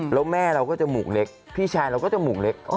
แล้วแม่เราก็จมูกเล็กพี่ชายเราก็จมูกเล็ก